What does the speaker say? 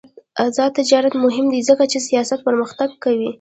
آزاد تجارت مهم دی ځکه چې سیاحت پرمختګ کوي.